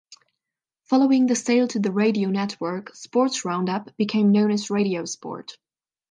Following the sale to The Radio Network, Sports Roundup became known as Radio Sport.